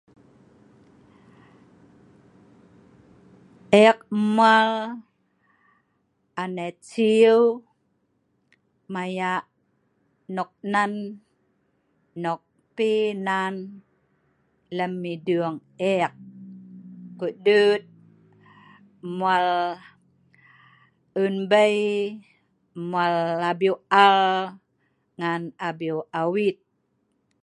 Eek mwaal panet sieu maya noknan nok pi nan lem idiung eek. Ko’ duet mwaal eun bei, mwaal abieu aal ngan abieu awit